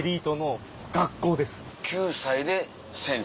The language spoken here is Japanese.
９歳で先生。